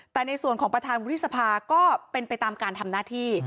แต่ในส่วนของประธานวุฒิสภาก็เป็นไปตามการทำหน้าที่